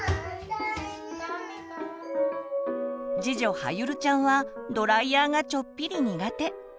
次女はゆるちゃんはドライヤーがちょっぴり苦手。